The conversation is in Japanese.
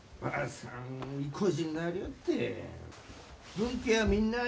「分家はみんなあ」